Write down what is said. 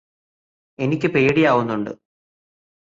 എനിക്ക് പേടിയാവുന്നുണ്ട്